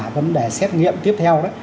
vấn đề xét nghiệm tiếp theo